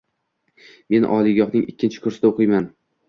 Men oliygohning ikkinchi kursida o’qiyman.